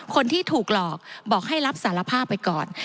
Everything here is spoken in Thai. คนที่ถูกหลอกบอกให้รับสารภาพไปก่อน